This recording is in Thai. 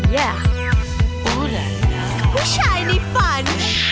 ว้าวพูดได้ผู้ชายในฝัน